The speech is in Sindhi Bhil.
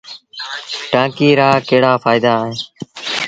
ٽآنڪي رآڪهڙآ ڦآئيدآ اهيݩ۔